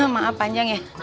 maaf panjang ya